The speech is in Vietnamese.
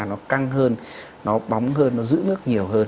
nó căng hơn nó bóng hơn nó giữ nước nhiều hơn